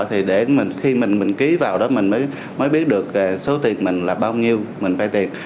thì để khi mình ký vào đó mình mới biết được số tiền mình là bao nhiêu mình vay tiền